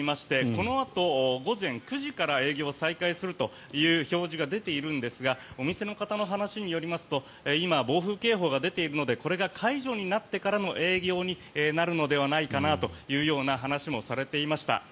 このあと、午前９時から営業を再開するという表示が出ているんですがお店の方の話によりますと今、暴風警報が出ているのでこれが解除になってからの営業になるのではないかなという話もされていました。